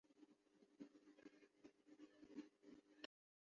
امریکہ کی یونیورسٹی کیے ڈاکٹر موانگ کہتے ہیں